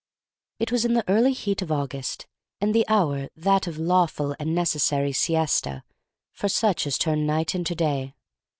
It was in the early heat of August, and the hour that of the lawful and necessary siesta for such as turn night into day.